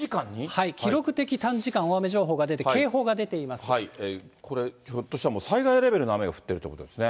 記録的短時間大雨情報が出て、これ、ひょっとしたら、災害レベルの雨が降っているということですね。